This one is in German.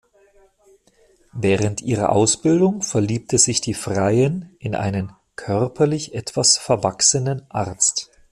Während ihrer Ausbildung verliebte sich die Freiin in einen "körperlich etwas verwachsenen" Arzt.